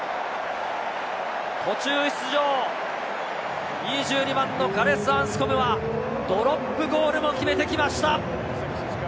途中出場、２２番のガレス・アンスコムが、ドロップゴールを決めてきました！